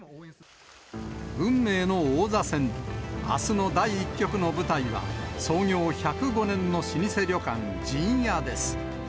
運命の王座戦、あすの第１局の舞台は、創業１０５年の老舗旅館、陣屋です。